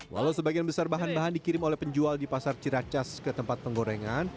walau sebagian besar bahan bahan dikirim oleh penjual di pasar ciracas ke tempat penggorengan